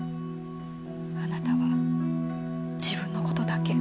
あなたは自分の事だけ。